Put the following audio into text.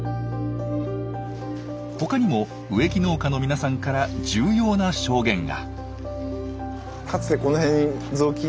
他にも植木農家の皆さんから重要な証言が。